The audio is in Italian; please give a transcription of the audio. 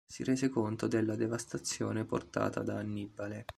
Si rese conto della devastazione portata da Annibale.